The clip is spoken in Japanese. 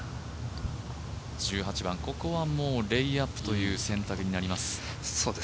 １８番、ここはレイアップという選択になります。